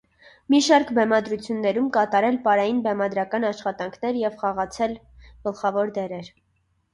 Մի շարք բեմադրություններում կատարել պարային բեմադրական աշխատանքներ և խաղացել գլխավոր դերեր։